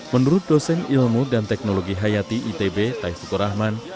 menurut dosen ilmu dan teknologi hayati itb taiful rahman